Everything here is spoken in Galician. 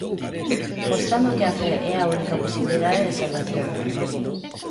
Mostrando que a fe é a única posibilidade de salvación.